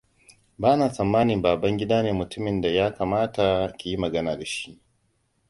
Bana tsammanin Babangida ne mutumin da ya kamata ki yi magana da shi.